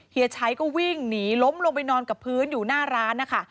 เฮีชัยก็วิ่งหนีล้มลงไปนอนกับพื้นอยู่หน้าร้านนะคะ